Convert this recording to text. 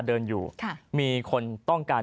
เดินอยู่มีคนต้องการ